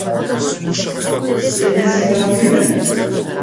Спремен си да одиме?